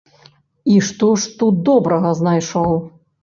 І што ж тут добрага знайшоў?